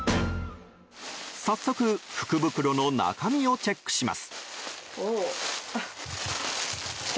早速福袋の中身をチェックします。